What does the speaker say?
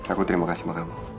aku terima kasih sama kamu